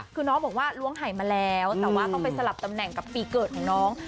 คือน้องบอกว่าล้วงหายมาแล้วแต่ว่าต้องไปสลับตำแหน่งกับปีเกิดของน้อง